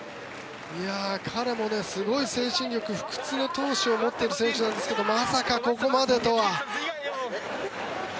彼もすごい精神力不屈の闘志を持っている選手ですがまさかここまでとは。